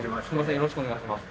よろしくお願いします。